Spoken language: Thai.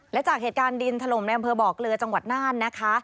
และจากเหตุการณ์ดินถล่มในอำเภอบ่อเกลือจังหวัดน่านนะคะ